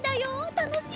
楽しみ！